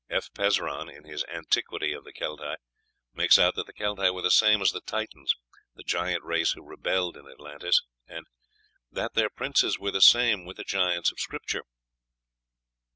F. Pezron, in his "Antiquity of the Celtæ," makes out that the Celtæ were the same as the Titans, the giant race who rebelled in Atlantis, and "that their princes were the same with the giants of Scripture."